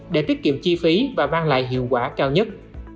để tiết kiệm chi phí và mang lại hiệu quả cao nhất